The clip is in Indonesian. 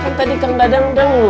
kan tadi kang dadang dong